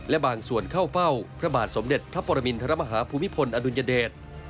และบางส่วนเข้าเฝ้าพระบาทสมเด็จพระปรมินทรมาฮาภูมิพลอดุลยเดช